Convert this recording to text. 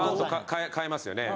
変えますよね。